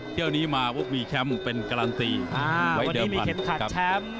เที่ยวนี้มาพวกมีแคมป์เป็นการันตีอ่าวันนี้มีเข็มขัดแชมป์